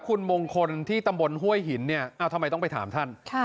คุณมงคลที่ตำบลห้วยหินเนี่ยทำไมต้องไปถามท่าน